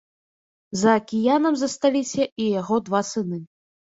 За акіянам засталіся і яго два сыны.